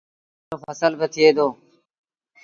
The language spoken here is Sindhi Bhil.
ڪمآݩد رو ڦسل با ٿئي دو۔